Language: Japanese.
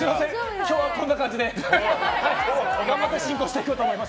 今日はこんな感じで頑張って進行をしていこうと思います。